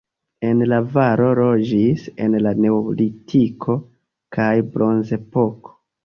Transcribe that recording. En la valo loĝis en la neolitiko kaj bronzepoko.